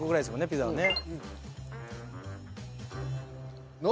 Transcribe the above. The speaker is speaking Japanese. ピザはね。